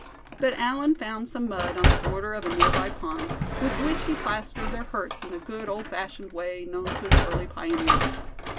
But Allan found some mud on the border of a nearby pond, with which he plastered their hurts in the good old fashioned way known to the early pioneers.